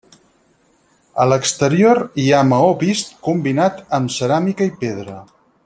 A l'exterior hi ha maó vist combinat amb ceràmica i pedra.